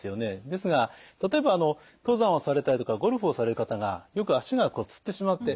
ですが例えば登山をされたりとかゴルフをされる方がよく足がつってしまって。